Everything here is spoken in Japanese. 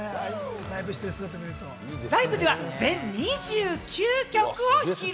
ライブでは全２９曲を披露。